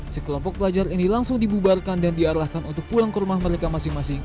sekelompok pelajar ini langsung dibubarkan dan diarahkan untuk pulang ke rumah mereka masing masing